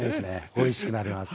おいしくなります。